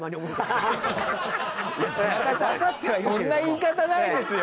田中さんそんな言い方ないですよ。